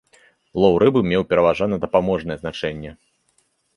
Лоў рыбы меў пераважна дапаможнае значэнне.